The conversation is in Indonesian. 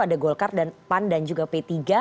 ada golkar dan pan dan juga p tiga